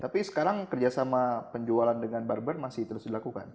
tapi sekarang kerjasama penjualan dengan barber masih terus dilakukan